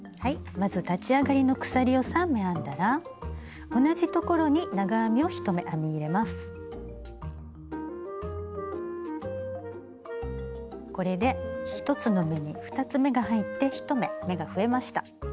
まず立ち上がりの鎖を３目編んだら同じところにこれで１つの目に２つ目が入って１目目が増えました。